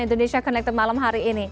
indonesia connected malam hari ini